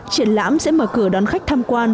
triển lãm sẽ mở cửa đón khách tham quan